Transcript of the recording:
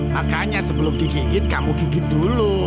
makanya sebelum digigit kamu gigit dulu